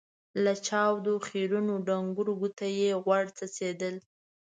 له چاودو، خيرنو ، ډنګرو ګوتو يې غوړ څڅېدل.